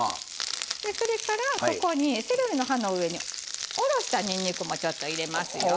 それからそこにセロリの葉の上におろしたにんにくもちょっと入れますよ。